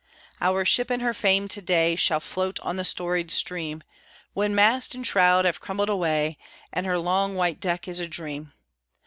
Our ship and her fame to day Shall float on the storied Stream When mast and shroud have crumbled away, And her long white deck is a dream.